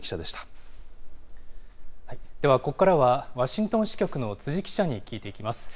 では、ここからはワシントン支局の辻記者に聞いていきます。